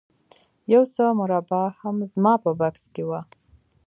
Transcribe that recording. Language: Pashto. یو څه مربا هم زما په بکس کې وه